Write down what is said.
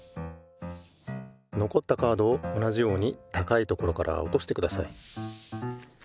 のこったカードを同じようにたかいところからおとしてください。